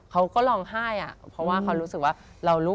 เขาก็ร้องไห้อะเพราะว่าเขารู้สึกว่าเราลูก